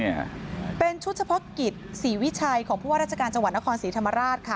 เพื่อเป็นชุดเที่ยวกิจสีวิชัยของรับชาการจังหวัดนครสีธมาราช